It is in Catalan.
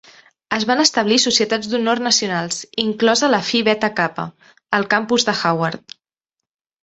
Es van establir societats d'honor nacionals, inclosa la Phi Beta Kappa, al campus de Howard.